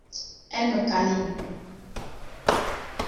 Elle me câline.